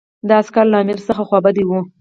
دا عسکر له امیر څخه خوابدي وو.